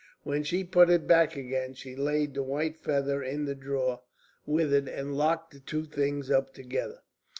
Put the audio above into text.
When she put it back again, she laid the white feather in the drawer with it and locked the two things up together.